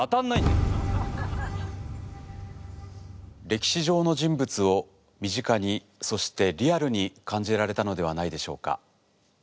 歴史上の人物を身近にそしてリアルに感じられたのではないでしょうか。